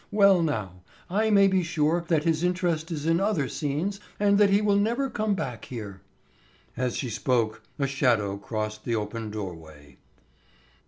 Well now, I may be sure that his interest is in other scenes and that he will never come back here." As she spoke a shadow crossed the open doorway.